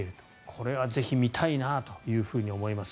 これはぜひ見たいなと思います。